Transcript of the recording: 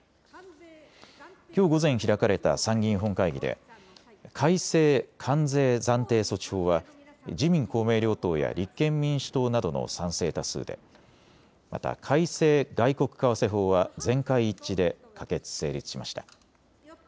きょう午前開かれた参議院本会議で改正関税暫定措置法は自民公明両党や立憲民主党などの賛成多数で、また改正外国為替法は全会一致で可決・成立しました。